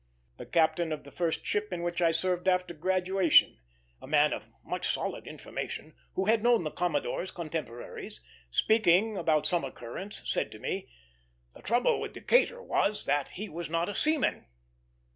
The captain of the first ship in which I served after graduation, a man of much solid information, who had known the commodore's contemporaries, speaking about some occurrence, said to me, "The trouble with Decatur was, that he was not a seaman."